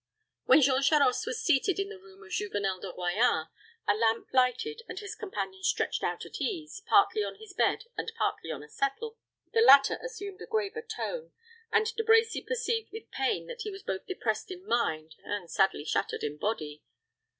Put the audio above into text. When Jean Charost was seated in the room of Juvenel de Royans, a lamp lighted, and his companion stretched out at ease, partly on his bed and partly on a settle, the latter assumed a graver tone, and De Brecy perceived with pain that he was both depressed in mind and sadly shattered in body.